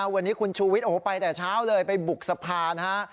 วันนี้คุณชูวิทย์ไปแต่เช้าเลยไปบุกสภานะฮะ